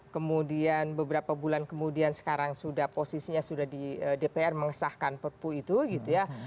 kemudian beberapa bulan kemudian sekarang sudah posisinya sudah di dpr mengesahkan perpu itu gitu ya